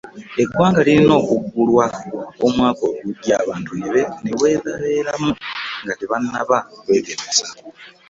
Eggwanga lirina okugulwa omwaka ogugya abantu ne webabeera nga tebanaba gwegemese.